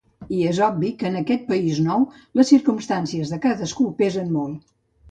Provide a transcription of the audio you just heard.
I és obvi que en aquest país nou les circumstàncies de cadascú pesen molt.